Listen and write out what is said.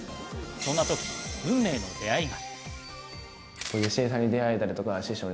そんな時、運命の出会いが。